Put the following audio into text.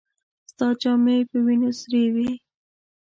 ستا جامې په وينو سرې وې.